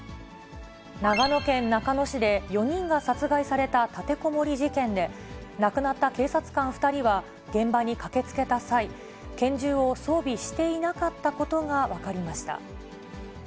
長野県中野市で４人が殺害された立てこもり事件で、亡くなった警察官２人は、現場に駆けつけた際、拳銃を装備していなかったことが分かりました。